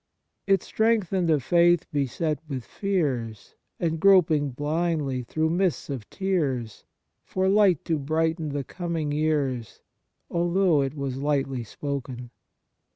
It strengthened a faith beset with fears, And groping blindly through mists of tears, For light to brighten the coming years, Although it was lightly spoken.